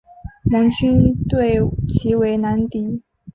盟军对其为兰迪。